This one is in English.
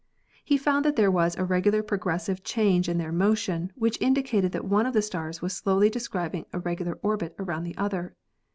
He found that there was a regular progressive change in their motion which indicated that one of the stars was slowly describing a regular orbit around the other.